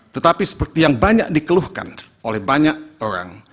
tetapi seperti yang banyak dikeluhkan oleh banyak orang